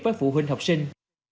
với phụ huynh học sinh